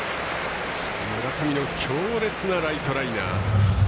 村上の強烈なライトライナー。